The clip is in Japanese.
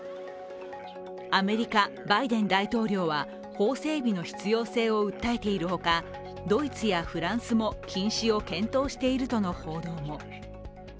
アメリカ・バイデン大統領は法整備の必要性を訴えているほかドイツやフランスも禁止を検討しているとの報道も。